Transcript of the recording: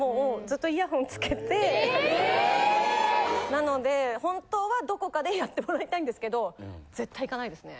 なので本当はどこかでやってもらいたいんですけど絶対行かないですね。